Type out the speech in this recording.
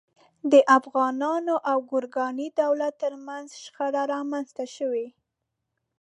د افغانانو او ګورکاني دولت تر منځ شخړې رامنځته شوې.